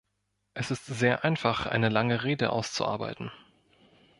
Es ist sehr einfach, eine lange Rede auszuarbeiten.